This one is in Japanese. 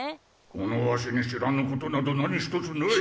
このワシに知らぬことなど何一つない。